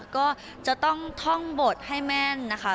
ก็จะต้องท่องบทให้แม่นนะคะ